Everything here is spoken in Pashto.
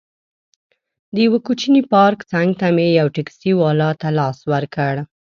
د یوه کوچني پارک څنګ ته مې یو ټکسي والا ته لاس ورکړ.